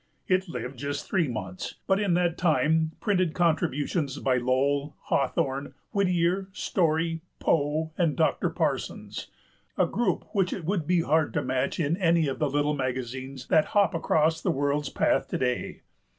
It lived just three months; but in that time printed contributions by Lowell, Hawthorne, Whittier, Story, Poe, and Dr. Parsons, a group which it would be hard to match in any of the little magazines that hop across the world's path to day.